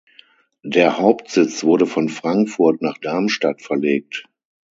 Der Hauptsitz wurde von Frankfurt nach Darmstadt verlegt.